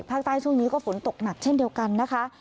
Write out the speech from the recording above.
ภาคใต้ช่วงนี้ก็ฝนตกหนักเช่นเดียวกันนะคะ